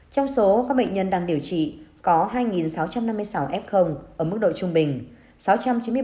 trong số các bệnh nhân đang điều trị có hai sáu trăm năm mươi sáu f ở mức độ trung bình